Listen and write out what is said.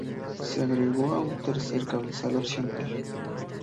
Se agregó un tercer cabezal opcional.